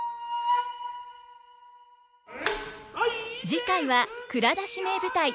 次回は「蔵出し！名舞台」。